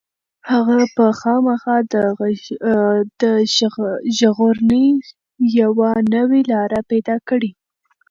هغه به خامخا د ژغورنې یوه نوې لاره پيدا کړي.